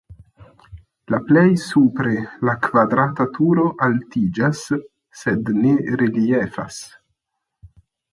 La plej supre la kvadrata turo altiĝas (sed ne reliefas).